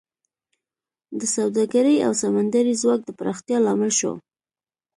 د سوداګرۍ او سمندري ځواک د پراختیا لامل شو